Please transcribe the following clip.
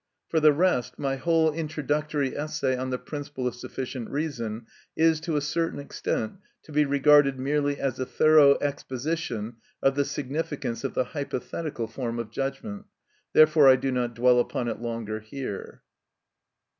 For the rest, my whole introductory essay on the principle of sufficient reason is, to a certain extent, to be regarded merely as a thorough exposition of the significance of the hypothetical form of judgment; therefore I do not dwell upon it longer here.